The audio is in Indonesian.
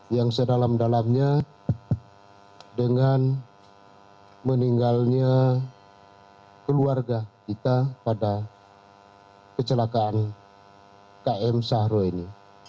yang sedalam dalamnya dengan meninggalnya keluarga kita pada kecelakaan km sahro ini